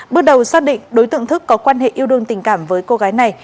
bước đầu xác định đối tượng thức có quan hệ yêu đương tình cảm với cô gái này